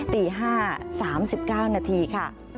ตี๕๓๙นาทีค่ะ